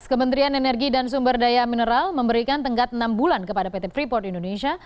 kementerian energi dan sumber daya mineral memberikan tenggat enam bulan kepada pt freeport indonesia